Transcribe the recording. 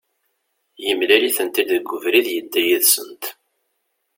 Yemlal-itent-id deg ubrid, yedda yid-sent